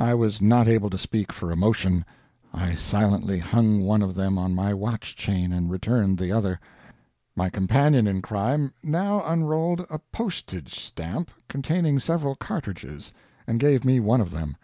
I was not able to speak for emotion. I silently hung one of them on my watch chain, and returned the other. My companion in crime now unrolled a postage stamp containing several cartridges, and gave me one of them.